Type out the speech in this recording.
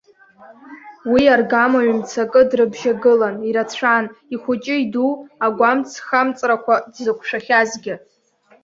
Уи аргама ҩ-мцакы дрыбжьагылан, ирацәан, ихәыҷы-иду, агәамҵхамҵрақәа дзықәшәахьазгьы.